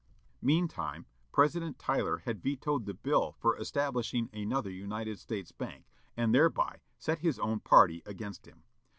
Meantime, President Tyler had vetoed the bill for establishing another United States Bank, and thereby set his own party against him.